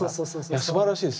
いやすばらしいですよ。